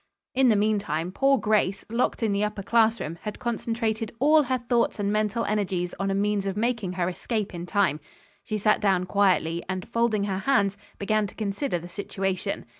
In the meantime poor Grace, locked in the upper classroom, had concentrated all her thoughts and mental energies on a means of making her escape in time. She sat down quietly, and, folding her hands, began to consider the situation.